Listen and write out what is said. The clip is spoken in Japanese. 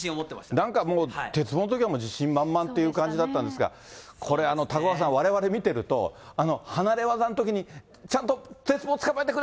なんかもう、鉄棒のときは自信満々っていう感じだったんですが、これ、高岡さん、われわれ見てると、離れ技のときにちゃんと鉄棒つかまえてくれ！